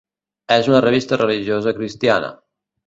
És una revista religiosa cristiana.